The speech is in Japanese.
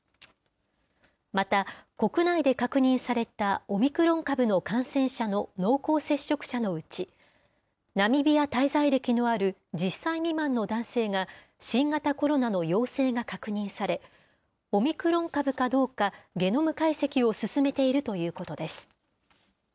また、国内で確認されたオミクロン株の感染者の濃厚接触者のうち、ナミビア滞在歴のある１０歳未満の男性が、新型コロナの陽性が確認され、オミクロン株かどうか、ゲノム解析を進めているということです。